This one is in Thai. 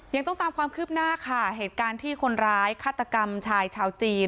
ยังต้องตามความคืบหน้าค่ะเหตุการณ์ที่คนร้ายฆาตกรรมชายชาวจีน